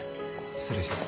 失礼します。